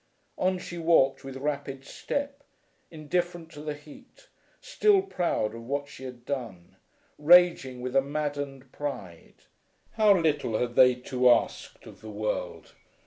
On she walked with rapid step, indifferent to the heat, still proud of what she had done, raging with a maddened pride. How little had they two asked of the world!